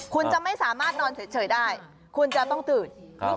คุณจะไม่สามารถนอนเฉยได้คุณจะต้องตื่น